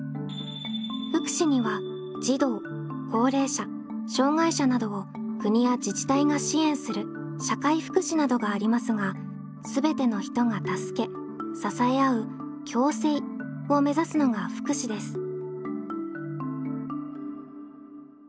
福祉には児童高齢者障害者などを国や自治体が支援する社会福祉などがありますがすべての人が助け支え合う「共生」を目指すのが福祉です。